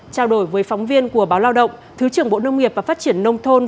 trao đổi với phóng viên của báo lao động thứ trưởng bộ nông nghiệp và phát triển nông thôn